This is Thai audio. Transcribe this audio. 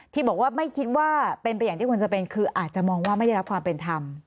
ที่บอกว่าไม่คิดว่าเป็นไปอย่างที่ควรจะเป็นคืออาจจะมองว่าไม่ได้รับความเป็นธรรม